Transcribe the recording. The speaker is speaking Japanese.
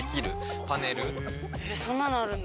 えそんなのあるんだ。